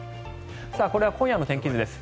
これは今夜の天気図です。